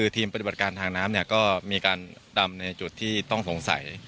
ทีมปฏิบัติการทางน้ำก็มีการดำในจุดที่ต้องสงสัย